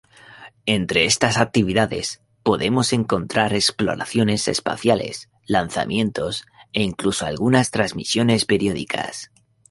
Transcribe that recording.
Entre estas actividades, podemos encontrar exploraciones espaciales lanzamientos e incluso algunas transmisiones periódicas.